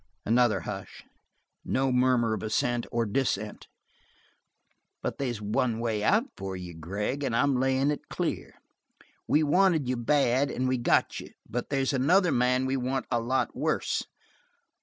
Another hush; no murmur of assent or dissent. "But they's one way out for you, Gregg, and I'm layin' it clear. We wanted you bad, and we got you; but they's another man we want a lot worse.